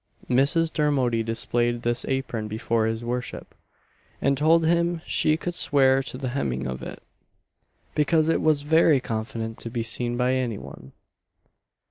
Mrs. Dermody displayed this apron before his worship, and told him she could swear to the hemming of it "because it was very confident to be seen by any one."